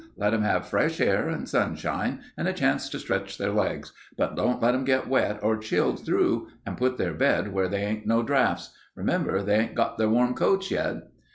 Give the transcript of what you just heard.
Let 'em have fresh air and sunshine and a chance to stretch their legs, but don't let 'em get wet or chilled through and put their bed where they ain't no draughts. Remember they ain't got their warm coats yet.